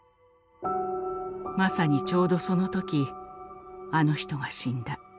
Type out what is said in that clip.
「まさにちょうどその時あの人が死んだ。